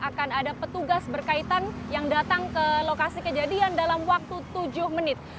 akan ada petugas berkaitan yang datang ke lokasi kejadian dalam waktu tujuh menit